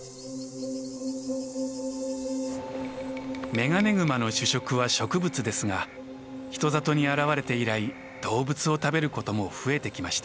メガネグマの主食は植物ですが人里に現れて以来動物を食べることも増えてきました。